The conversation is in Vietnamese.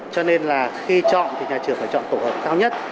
cho nên là khi chọn thì nhà trường phải chọn tổ hợp cao nhất